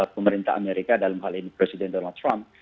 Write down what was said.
pemerintah amerika dalam hal ini presiden donald trump